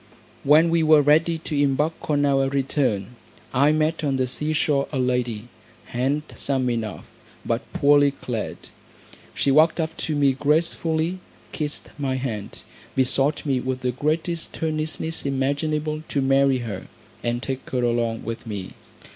When we were ready to embark on our return, I met on the sea shore a lady, handsome enough, but poorly clad. She walked up to me gracefully, kissed my hand, besought me with the greatest earnestness imaginable to marry her, and take her along with me.